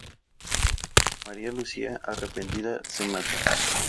María Lúcia, arrepentida, se mata.